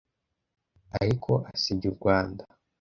ariko asebya u Rwanda